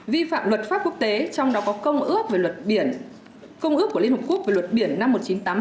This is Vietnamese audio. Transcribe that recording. vi phạm luật pháp quốc tế trong đó có công ước của liên hợp quốc về luật biển năm một nghìn chín trăm tám mươi hai